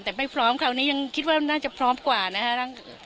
แต่ไม่พร้อมคราวนี้ยังคิดว่าน่าจะพร้อมกว่านะฮะ